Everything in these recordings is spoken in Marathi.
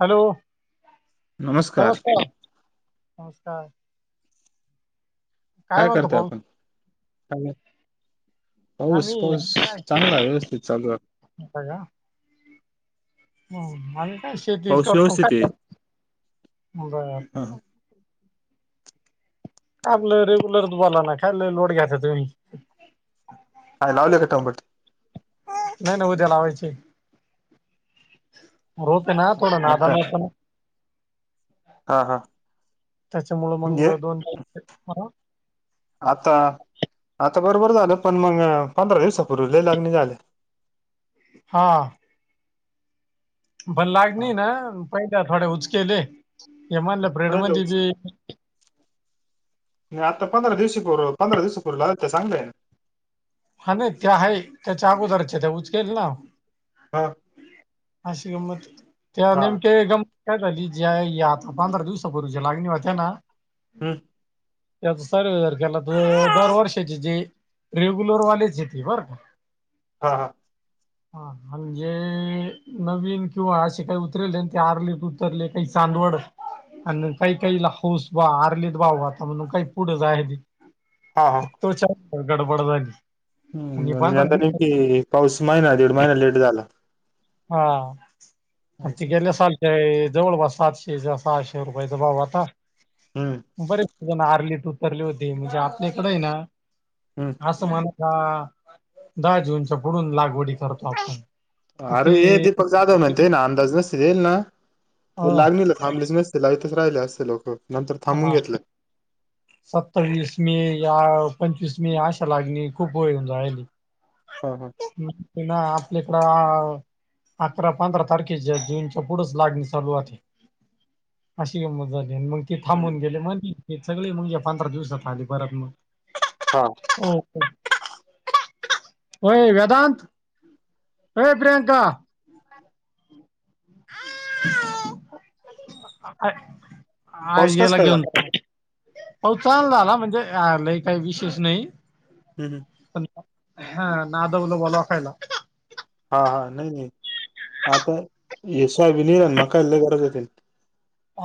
हॅलो! नमस्कार नमस्कार काय म्हणतो करताय, भाऊ आपण? [unintelligible] पाऊस आम्ही पाऊस चांगला व्यवस्थित चालूयं. व्हयं का? ह आणि काय शेतीच पाऊस करतो, काय व्यवस्थित आहे. करतो? [unintelligible] हं. आपलं रेग्युलर बोलालाय, काय लोड घ्याता तुम्ही? [unintelligible] नाही नाही उद्या लावायचे, रोपे ना आता थोडं [unintelligible] हा हा त्याच्यामुळं घे मग दोन [unintelligible] आता आता बरोबर झालं, पण मग पंधरा दिवसापूर्वी लई [unintelligible] झाल्या. हा. पण लाईट नाही ना पहिल्या थोड्या [unintelligible] म्हणलं नाही [unintelligible] नाही आता पंधरा दिवशी पूर्व पंधरा दिवस पूर्वी लावील, तर चांगलंय? हा नाही ते आहे, त्याच्या अगोदरच्या त्या [unintelligible] ना हा अशी गंमत त्या हा नेमक्या काय झाली ज्या या आता पंधरा दिवसा पूर्वीच्या लागणी होत्या, ना? ह. [unintelligible] [unintelligible] बरं का? हा हा. म्हणजे? नवीन किंवा असे काही उतरले ते आरले उतरले काही, चांदवड. आणि काही काहीला हौस बा [unintelligible] म्हणून, काही पुढे जायालीत. हा हा. तो चार गडबड झाली. आणि हम पंधरा नेमका दिवस नेमकी पाऊस महिना, दीड महिना लेट झाला. हा, असं. तिकडल्या [unintelligible] ते जवळ ब सातशे, सहाशे रुपयाच भाव आता. हम्म बरे तझण आरलेत उतरले होते म्हणजे आपल्याकडं आहे ना. हम्. असं म्हणा दहा जूनच्या पुढून लागवडी करतो आपण. तर अरे ये ते दीपक जाधव म्हणतेय ना. लजनेस देईल ना अ तर लागणी लथांब लजनेस लाईथच राहिले असं लोक. नंतर थांबून हा घेतलं. सत्तावीस मे या पंचवीस मे अशा लागणी खूप वयऊन राहिली. हा हा. ते ना आपल्याकड अकरा पंधरा तारखेच्या जूनच्या पुढेच लागणी चारुवात आहे अशी गमत झाली मग. ते हम्म. थांबून गेले म्हण सगळे म्हणजे पंधरा दिवसात आले परत मग. हा. ओके [unintelligible] [unintelligible] होय वेदांत हो प्रियंका. आ पाऊस कस याला काय घेऊन झाला? हो, छान झाला म्हणजे लय काही विशेष नाही. हमं ह. हा ना दवला ब खयला. हा हा नाही नाही आता येश विनल मका, लय गरजेचं आहे.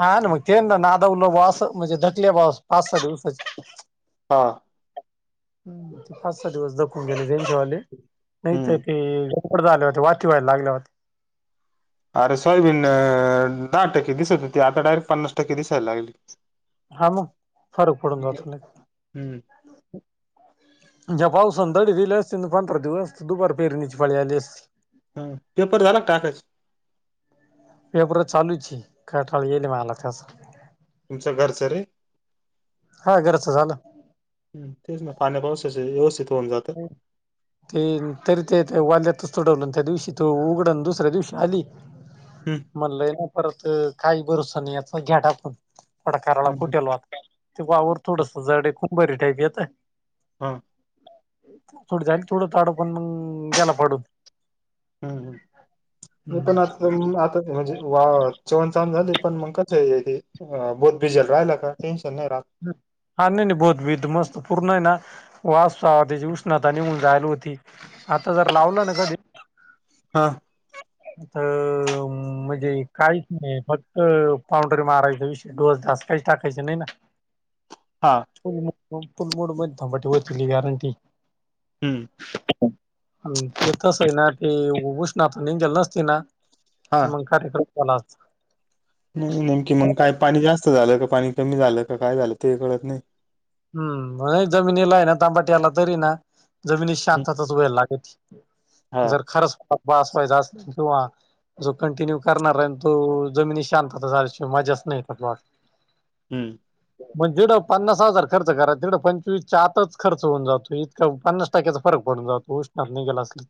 हा ना मग ते ना नादवल वास म्हणजे ढकली बास पाच सहा दिवसाची. हां. हम् ते पाच सहा दिवस दखून गेले जच्यावाले नाहीत हम्म. ते झाले होते वाची वयला लागले होते. अरे सोयबीन दहा टक्के दिसत होती आता डायरेक्ट पन्नास टक्के दिसायला लागली. हा मग फरक पडून जात ना. हम्म. ज पावसान दडी दिेली असते पंधरा दिवस दुपार पेरणीची फळी आली असते. हा पेपर झाला कालाच. वेपर चालूच आहे काटा येईल मला त्यासं. तुमचं घरचं रे. हा घरजच झालं. ह तेच ना पाण्या पावसाचे व्यस्थित होऊन जात. हो. ते तरी ते वाल्यातच तुडवलून त्या दिवशी तो उघडून दुसऱ्या दिवशी आली. हम्म म्हणलय ना परत काही, भरोसा नाही याचा घ्या टाकून. कडाकाराला हम्म हम्म. कुटेल वा ते, वावर थोडस जडे कुंबारी टाईप येत. हा. थोडी झाली थोडं ताडं पण गेला पाडून. हम्म म पण आता आता म्हणजे वा. जेवण ण झाली पण मग कस बोध बिजल राहिला का टेन्शन नाही राह. हा नाही नाही बोत भी मस्त पूर्ण आहे ना. वास त्याची उष्णता निघून जायला होती आता जर लावलं ना कधी हा. ता म्हणजे काहीच नाही फक्त पावढरी महाराजचा विषय डोसदस्त. काही ठाचे नाही ना. हा. फु फुल मूड म बट हो गॅरंटी. हम्म. तेेतस आहे ना ते उभष्ण तर नि गेल नसती ना. हा मग कार्यक्रम ला. नाही नेमकी मग काय पाणी जास्त झालं का पाणी कमी झालं का काय झालं ते कळत नाही.. हम्म जमिनीला आहे ना तांबाट आला तरी ना जमिनीत हं, शांतताच वेयळ लागेल. हा जर खरंच ब असवायचा अस किंवा जो कंटिन्यू करणार आहे आणि तो जमिनी शांतता झाल्याशिवाय मजच नाही येतात वा हम्. म्हण जिडव पन्नास हजार. खर्च करा तिकडं पंचवीसच्या आतच खर्च होऊन जातो इतकां पन्नास टक्क्याचा फरक पडून जातो उष्ण नाही गेला असली.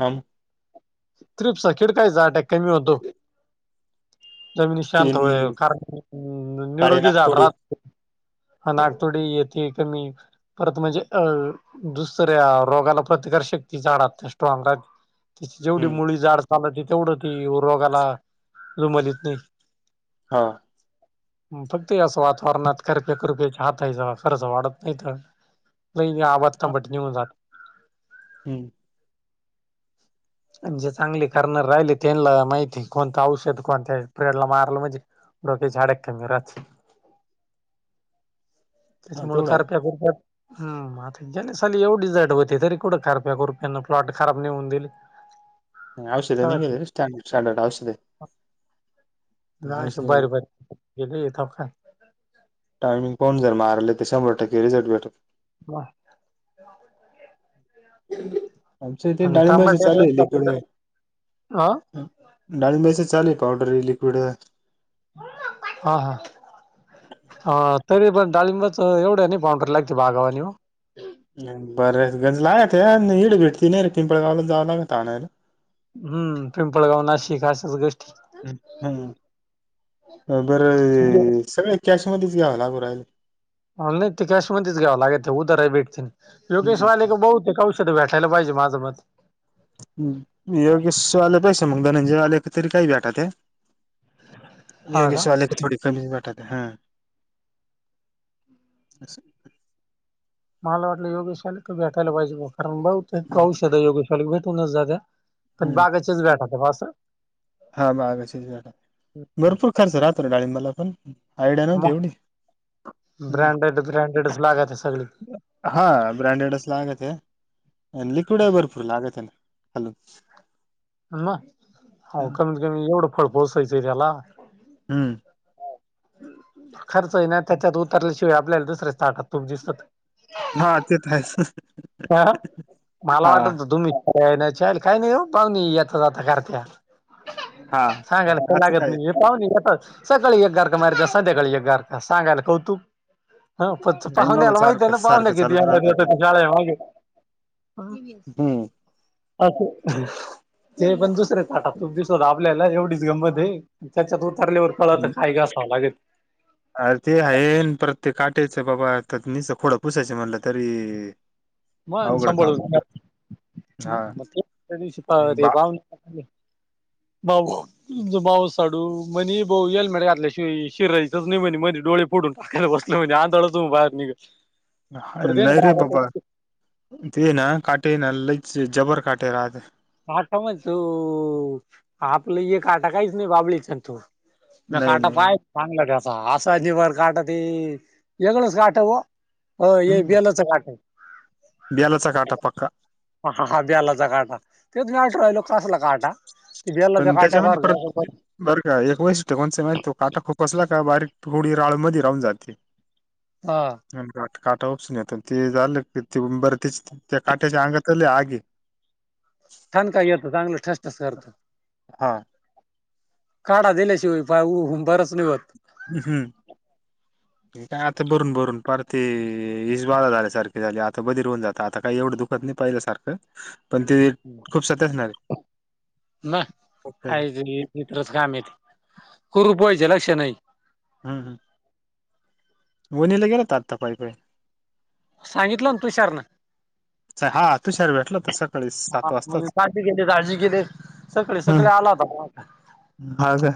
हा. तिप्सा खिडकाय जाट आहे कमी होतो. जमीन शांत होय तीन कारण काळे निरोगी नाग झाढ थोडी राात. अ नाग तो डी येते कमी परत म्हणजे अ दुसऱ्या रोगाला प्रतिकार शक्ती झाडा त्या स्ट्रॉंग जेवढी हम्म मुळी जाड चालवते तेवढं ती रोगाला जुमलीत नाही. हा. फक्त या असं वातावरणात करप्या करप्या आतााच खरंच वाढत नाही तर नाही नाही आ बातता हा बट निऊन जात. हम्म आणि जे चांगले करणार राहिले त्यांना माहिती कोणतं औषध कोणत्या प्रेडला माराला म्हणजे. डोकी झाडा कममी राात [inaudible] त्याच्यामुळे करत्या कुरत्या.. हम् आता गले ली एवढी जाटव होते तरी कठं करप्या कुपयाना प्लॉट खराब नेऊन दिईल. ह औषध निेरी स्टडर् स्टड औषधे नाही अशा बर बर ग येत काय. टायमिंग कोण जर मारले तर शंभर टके रझट भेट वा. आमच्या इथे आणि डाळिंबाच तांबट चालू आहेलकड हा ाणी मैस चाले पावडर ह लिक्विड हा हा. तरी पण ािमब तर एवढे नाही फाउंडररी लागे भाग आणि हो. बरं गंज लागत हीड भेटती नाही रे पिंपळगावला जावं लागत आणा हम्म पिंपळगाव नाशिक खााच गोष्ट अहो, [unintelligible] नाही ते कॅशमध्येध्येच्यावं लागेत ते उदर भेटते योगेश हम्म वाले का बह ते कश भेटायला पाहिे माझं मत योग आले पैसे मग धनंजय आले तरी काही भेटत हे. ये हा गे का सवाले थोडी फम बठ हा अस. मला वाटलं योगशाले तर भेटायला पाहिजे कारण ब ते पाऊषध आहे योगशाले भेटूनच ज द्या. पण हम्म बागाचेच भेटा बसं. हा बागाशीच भरपूर खर्च राहतो डाळंबाला पण.. आयडिया नव्हती एवढी. मग हम्म. ब्रँडेड ब्रँडेड लागत सगळी.. हा ब्रँडेड अस लागत आहे लिक्विड आहे भरपूर लागत आहे ना खालून हो कमीत कमी एवढं फळ पोसायचं रला हम्म. खर्च आहे ना त्याच्यात उतरल्याशिवाय आपल्याला दुसर्या स्टाटात तूप दिसत. हा ते तर आहेच ह मला हा वाटत तुम्ही. का नाही चाल काही नाही बाघणी येेतता जाता करते. हा सांगायला का असं लागत काय नाहीे. गावणी येताच सकाळी एक गारका मारिता संध्याकाळी एक गारका सांगायला कौतुक हाऊ फक्त काही बाबा पाहुन्याला सारखं माहितेना पाहुन सारखं किती चालत राहत शाळे मागे त्याच [unintelligible] ते पण दुसरे ताटा तू दिसवत आपल्याला एवढीच गंमते त्याच्यात उतरल्यावर कळत काय घासावं लागती अरे ते आहेन अन परत ते काचेचं बाबा निच खोडं पुसायचं म्हणलं तरी मन अवघड काम संभळून होतं हा म ते त्या दिवशी पा ते पावणे भाव भाऊ तुमचं मावस साडू म्हणे भाऊ हेल्मेट घातल्याशिवाई शिरायचंयचं नाही म्हणे मधी डोळे फोडून बसलं म्हणजे आंधळच होऊन बाहेर निघल. [inaudible] हा परत ये नैरे ना बाबा तेना काटेना लयच जबर काटे रहाते. आठा मचो आपलं एक आटा काहीच नाही बाबळीचान तो न नाही काटा नाही नाही पाय चांगलं घासा असा जी वर काट ते एगळच काट व हो ये हम्म बेलचं काटय बेलाचा काटा पक्का हा हा हा ब्यालाचा काटा तेच गठ राहिलो कासला काटा ते पण बेल्याचा त्याच्यामध्ये परत काट्यासारखं असं बरं का एक वैशिष्ट्य कोणचय माहिते तो काटा खोपसला का बारीक रुडी राळ मधी राहून जाते. आ अन काट काटा उपसून येत न ते झालं बर तेच त्या काट्याच्या अंगातच लय आगय ठणका घेत चांगलं ठस ठस करत. हा काढा दिल्याशिवाय पाय ऊ हुंबाराच नाही होत. अ हम्म ही काय आता भरून भरून पार ते ईशबाधा झाल्यासारखे झाली आता बधीर होऊन जात आता काय एवढं दुःख पदनी पाहिल्या सारखं पण ते खूप साती असणारे ना [unintelligible] आहे ते मित्रच कामीत कुरुप वयचे लक्षनय हम्म हम्म वणीला गेलाता आत्ता पायी पायी सांगितलं तुषारन च हा तुषार भेटला होता सक हा मग मी काजी घेते दाजी गेले सकळी हा सकळी आला होता फोन हा का हा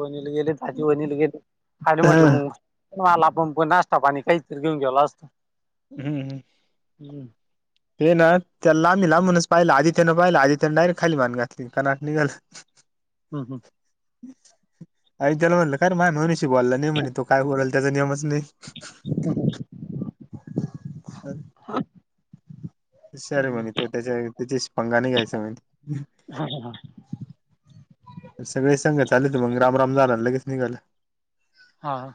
वनीला गेले दाजी वनील गेले खाली म्हटलं मग हम्म मला पण प नाश्ता पाणी काहीतरी घेऊन गेला असतो. हम्म हम्म हम्म हे ना त्या लामिला लामूनच पाहिलं आधी त्यानं पाहिलं आधी त्यानं डायरेक्ट खाली मान घातली कनाट निघालं. [inaudible] हम हम [inaudible] अय त्याला म्हनलं काय र मह्या नवराशी बोलला नाही म्हणे तो काय बोलल त्याचा नेमच नाही. [unintelligible] [unintelligible] सर म्हणे तो त्याच्या त्याच्याशी पंगा नाही घ्यायचा म्हणे हा ह हा सगळे सांग चालेत मग राम राम झालाना लगेच निघालं. हा हा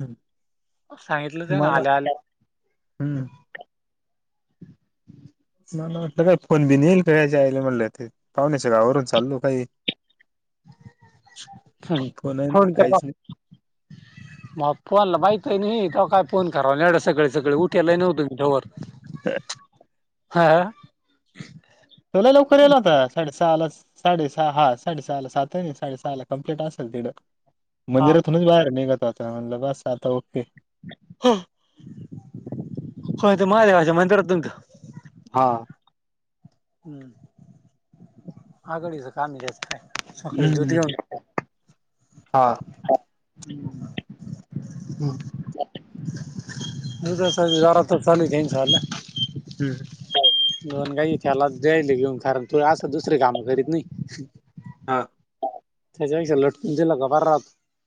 हम्म. सांगितलं ते ना मला आल्या आल्या- हम्म. मला म्हटलं काय फोन बीन येईल का आले म्हटलं ते पाहुण्याच्या गावरून चालो काही- हम [inaudible] ह मग फोनला माहित आहे ना तेव्हा काय फोन करावा येवड सकाळी सकाळी उठेला नव्हतं मी तोवर, ह हा. तो लई लवकर येईल होता साडे सहालाच- साडे सहा हा साडेसहा ला सात आहे नाही साडेसहा ला कम्प्लीट असेल तिडं- मंदिरातूनच बाहेर निघत आता म्हणलं बस आता ओके. हो हो हित महादेवाच्या मंदिरातून हा हम्म आकळीस का नाही जास् काय सकाळी जोती हम्म हा हम् हम्. दुधाच जोरातच चालू आहे त्याचा वाल हम्. दोन गायी त्यालाच देईल घेऊन कारण तू असं दुसरे कामं करीत नाही. हा. त्याच्यापेक्षा लटकून दिला तर बरा राहतो.